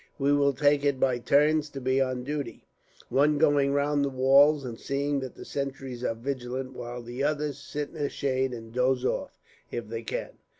We will take it by turns to be on duty, one going round the walls and seeing that the sentries are vigilant, while the others sit in the shade and doze off, if they can.